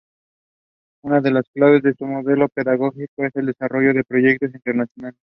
Una de las claves de su modelo pedagógico es el desarrollo de proyectos internacionales.